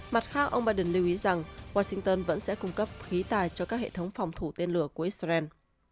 mặt khác ông biden lưu ý rằng washington vẫn sẽ cung cấp khí tài cho các hệ thống phòng thủ tên lửa của israel